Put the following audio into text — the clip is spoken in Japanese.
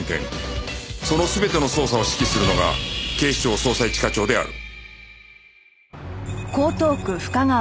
その全ての捜査を指揮するのが警視庁捜査一課長である